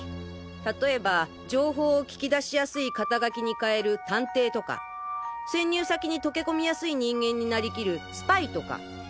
たとえば情報を聞き出しやすい肩書に変える探偵とか潜入先に溶け込みやすい人間になりきるスパイとか。